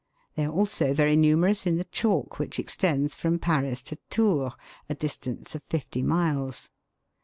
They are also very numerous in the chalk which extends from Paris to Tours, a distance of fifty miles.